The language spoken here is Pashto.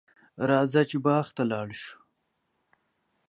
راځه چې باغ ته ولاړ شو.